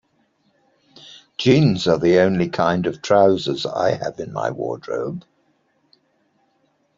Jeans are the only kind of trousers I have in my wardrobe.